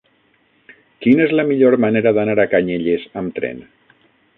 Quina és la millor manera d'anar a Canyelles amb tren?